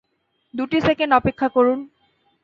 দুটি সেকেন্ড অপেক্ষা করুন।